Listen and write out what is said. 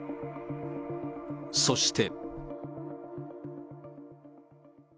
そして。